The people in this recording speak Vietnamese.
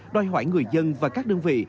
đòi hỏi người dân và các đơn vị